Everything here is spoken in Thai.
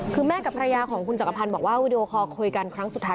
คือแม่กับภรรยาของคุณจักรพันธ์บอกว่าวีดีโอคอลคุยกันครั้งสุดท้าย